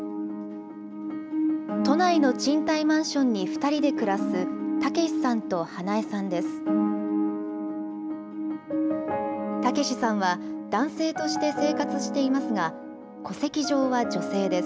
都内の賃貸マンションに２人で暮らす、タケシさんとハナエさんです。